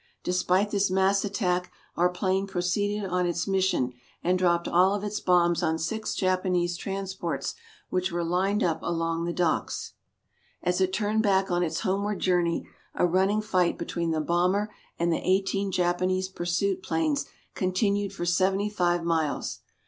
Despite this mass attack, our plane proceeded on its mission, and dropped all of its bombs on six Japanese transports which were lined up along the docks. As it turned back on its homeward journey a running fight between the bomber and the eighteen Japanese pursuit planes continued for 75 miles.